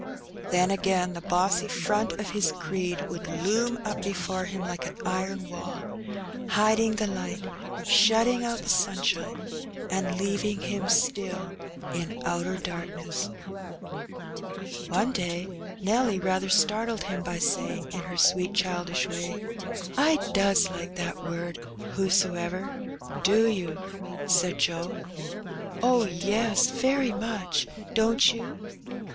Then again the bossy front of his creed would loom up before him like an iron wall, hiding the light, shutting out the sunshine, and leaving him still in ''outer dark ness/' One day Nelly rather startled him by saying, in her sweet childish way "I does like that word who so ever!^' . "Do you?^' said Joe. ''Oh, yes, very much; don't you?"